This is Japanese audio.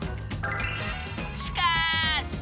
しかし！